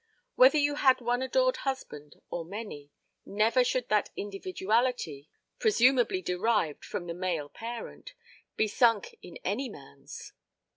Whether you had one adored husband or many, never should that individuality (presumably derived from the male parent) be sunk in any man's.